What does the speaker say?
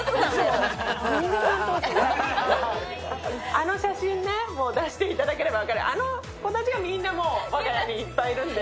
あの写真出していただければ分かる、あの子たちがみんな我が家にいっぱいいるので。